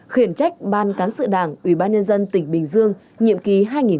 khuyển trách ban cán sự đảng ủy ban nhân dân tỉnh bình dương nhiệm ký hai nghìn hai mươi một hai nghìn hai mươi sáu